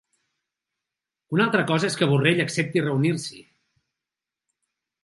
Una altra cosa és que Borrell accepti reunir-s'hi.